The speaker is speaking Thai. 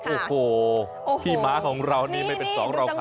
โอ้โหพี่ม้าของเรานี่ไม่เป็นสองเราค่ะ